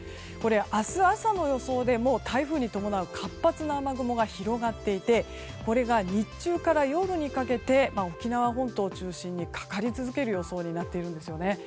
明日朝の予想でもう、台風に伴う活発な雨雲が広がっていて日中から夜にかけて沖縄本島中心にかかり続ける予想になっているんですね。